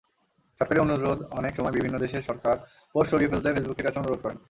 সরকারি অনুরোধঅনেক সময় বিভিন্ন দেশের সরকার পোস্ট সরিয়ে ফেলতে ফেসবুকের কাছে অনুরোধ করেন।